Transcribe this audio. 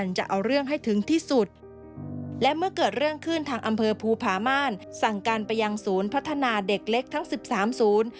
และเมื่อเกิดเรื่องขึ้นทางอำเภอภูพามารสั่งการไปยังศูนย์พัฒนาเด็กเล็กทั้ง๑๓ศูนย์